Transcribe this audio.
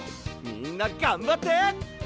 みんながんばって！